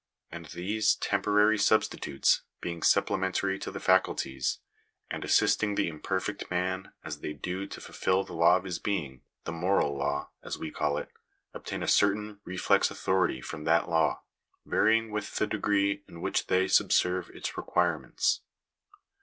And these temporary substitutes being supplementary to the faculties, and assisting the imperfect man as they do to fulfil the law of his being — the moral law, as we call it — obtain a certain reflex, authority from that law, varying with the degree in which they subserve its requirements.